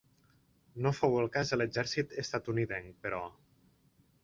No fou el cas de l'exèrcit estatunidenc, però.